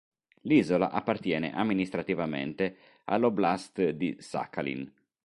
L'isola appartiene amministrativamente all'oblast' di Sachalin.